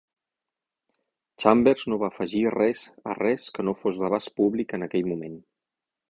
Chambers no va afegir res a res que no fos d'abast públic en aquell moment.